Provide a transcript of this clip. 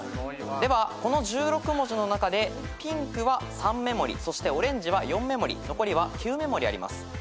ではこの１６文字の中でピンクは３目盛りそしてオレンジは４目盛り残りは９目盛りあります。